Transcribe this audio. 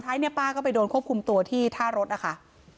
ท้ายเนี่ยป้าก็ไปโดนควบคุมตัวที่ท่ารถนะคะ